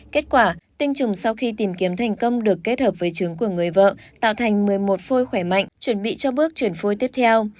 kết quả tinh trùng sau khi tìm kiếm thành công được kết hợp với chứng của người vợ tạo thành một mươi một phôi khỏe mạnh chuẩn bị cho bước chuyển phôi tiếp theo